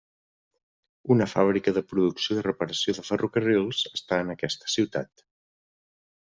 Una fàbrica de producció i reparació de ferrocarrils està en aquesta ciutat.